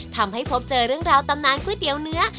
ทำให้พบเจอเรื่องราวตำนานก๋วยเตี๋ยวเนื้อ